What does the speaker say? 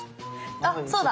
あそうだ。